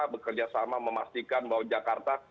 bekerjasama memastikan bahwa jakarta